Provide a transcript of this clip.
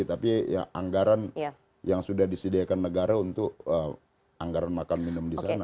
tapi ya anggaran yang sudah disediakan negara untuk anggaran makan minum di sana